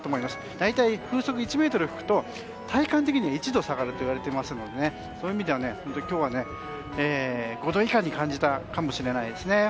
大体風速１メートル吹くと体感的に１度下がるといわれているのでそういう意味では今日は５度以下に感じたかもしれないですね。